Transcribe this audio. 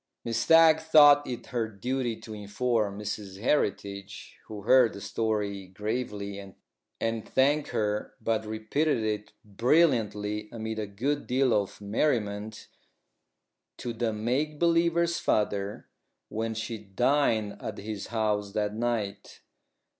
Miss Stagg thought it her duty to inform Mrs Heritage, who heard the story gravely, and thanked her, but repeated it brilliantly, amid a good deal of merriment, to the make believer's father, when she dined at his house that night.